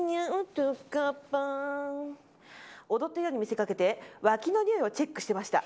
踊ったように見せかけてわきのにおいをチェックしてました。